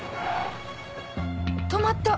止まった！